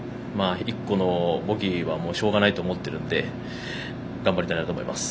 １個のボギーはしょうがないと思っているので頑張りたいなと思います。